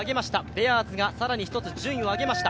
ベアーズが更に１つ順位を上げました。